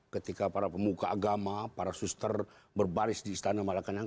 ketika para pemuka agama para suster berbaris di istana malakanya